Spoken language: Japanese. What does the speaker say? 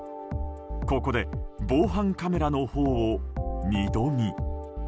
ここで防犯カメラのほうを二度見。